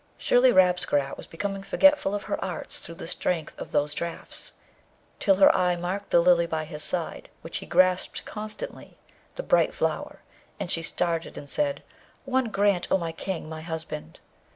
Surely, Rabesqurat was becoming forgetful of her arts through the strength of those draughts, till her eye marked the Lily by his side, which he grasped constantly, the bright flower, and she started and said, 'One grant, O my King, my husband!'